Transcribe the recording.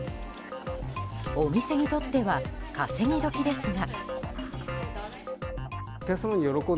お店にとっては稼ぎ時ですが。